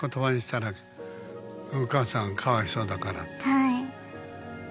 はい。